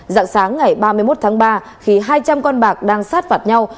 dạng sáng ngày ba mươi một tháng ba khi hai trăm linh con bạc đang sát phạt nhau